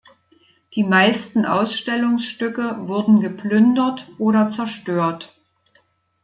Die meisten Ausstellungsstücke wurden geplündert oder zerstört.